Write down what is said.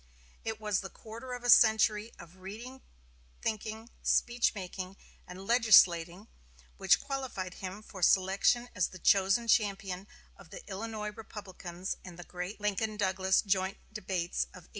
It was the quarter of a century of reading thinking, speech making and legislating which qualified him for selection as the chosen champion of the Illinois Republicans in the great Lincoln Douglas joint debates of 1858.